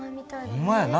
ほんまやな。